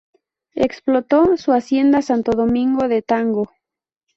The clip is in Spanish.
Explotó su hacienda Santo Domingo de Tango.